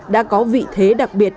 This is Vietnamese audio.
đã có vị thế đặc biệt